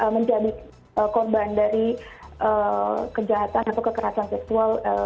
menjadi korban dari kejahatan atau kekerasan seksual